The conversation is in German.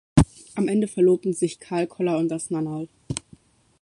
Am Ende verloben sich Karl Koller und das Nannerl.